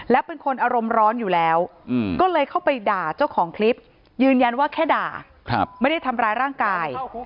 และเป็นคนอารมณ์ร้อนอยู่แล้วก็เลยเข้าไปด่าเจ้าของคลิปยืนยันว่าแค่ด่าไม่ได้ทำร้ายร่างกาย